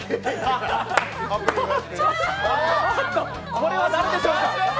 これは誰でしょうか？